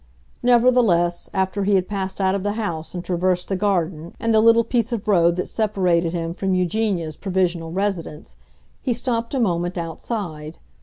Nevertheless, after he had passed out of the house and traversed the garden and the little piece of road that separated him from Eugenia's provisional residence, he stopped a moment outside.